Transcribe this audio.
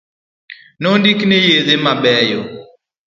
Nondikne yedhe mabeyo